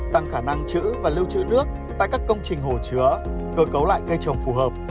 tăng khả năng chữ và lưu trữ nước tại các công trình hồ chứa cơ cấu lại cây trồng phù hợp